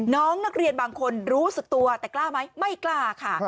น้องนักเรียนบางคนรู้สึกตัวแต่กล้าไหมไม่กล้าค่ะ